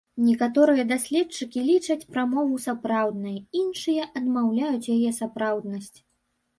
Некаторыя даследчыкі лічаць прамову сапраўднай, іншыя адмаўляюць яе сапраўднасць.